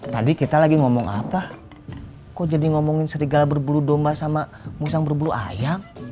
tadi kita lagi ngomong apa kok jadi ngomongin serigala berbulu domba sama musang berbulu ayam